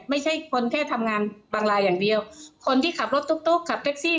ไม่ใช่คนแค่ทำงานบางรายอย่างเดียวคนที่ขับรถตุ๊กตุ๊กขับแท็กซี่